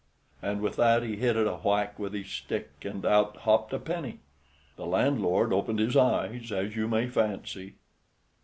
And with that he hit it a whack with his stick, and out hopped a penny. The landlord opened his eyes, as you may fancy.